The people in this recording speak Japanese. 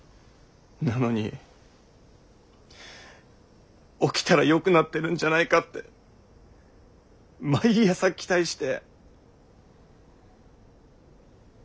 なのに起きたら良くなってるんじゃないかって毎朝期待して。